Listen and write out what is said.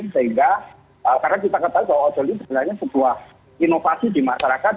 sehingga karena kita ketahui bahwa ojol ini sebenarnya sebuah inovasi di masyarakat